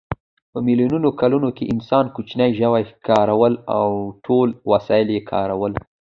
په میلیونو کلونو کې انسان کوچني ژوي ښکارول او ټول وسایل یې کارول.